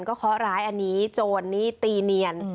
ก็เคาะร้ายอันนี้โจรนี่ตีเนียน